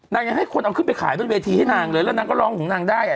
ยังให้คนเอาขึ้นไปขายบนเวทีให้นางเลยแล้วนางก็ร้องของนางได้อ่ะ